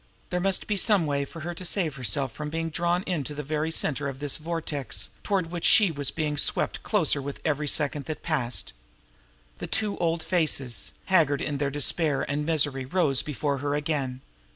There must be some way to save herself from being drawn into the very center of this vortex toward which she was being swept closer with every second that passed. Those two old faces, haggard in their despair and misery, rose before her again.